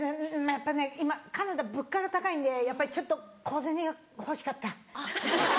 やっぱりね今カナダ物価が高いんでやっぱりちょっと小銭が欲しかった。